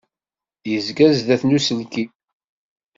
Yezga sdat n uselkim.